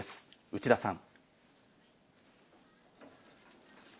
内田さん？